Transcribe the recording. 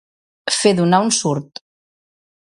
Fer donar un surt.